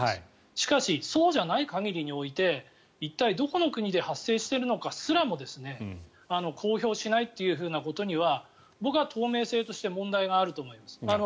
しかしそうじゃない限りにおいて一体、どこの国で発生しているのかすらも公表しないということには僕は透明性として問題があると思います。